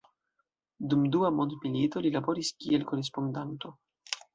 Dum Dua mondmilito li laboris kiel korespondanto.